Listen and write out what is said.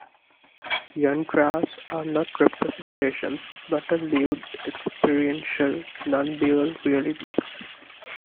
"Yantras" are not representations, but are lived, experiential, nondual realities.